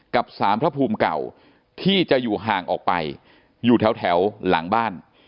กับสารพระภูมิเก่าที่จะอยู่ห่างออกไปอยู่แถวหลังบ้าน